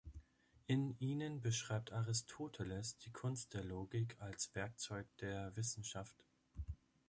In ihnen beschreibt Aristoteles die Kunst der Logik als Werkzeug der Wissenschaft.